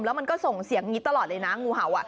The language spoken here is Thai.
แล้วมันก็ส่งเสียงงิดตลอดเลยนะงูเหาอ่ะ